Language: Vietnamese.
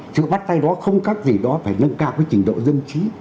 chứ bắt tay đó không các gì đó phải nâng cao cái trình độ dân trí